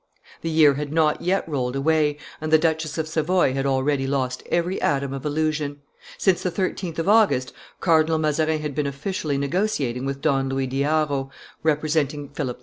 The year had not yet rolled away, and the Duchess of Savoy had already lost every atom of illusion. Since the 13th of August, Cardinal Mazarin had been officially negotiating with Don Louis de Haro, representing Philip IV.